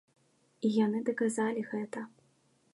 І яны даказалі гэта.